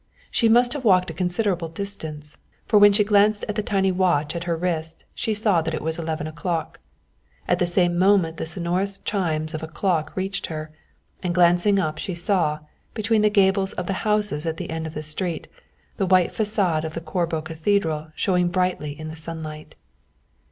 She must have walked a considerable distance, for when she glanced at the tiny watch at her wrist she saw that it was eleven o'clock. At the same moment the sonorous chimes of a clock reached her, and glancing up she saw, between the gables of the houses at the end of the street, the white façade of Corbo Cathedral showing brightly in the sunlight.